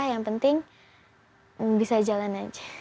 yang penting bisa jalan aja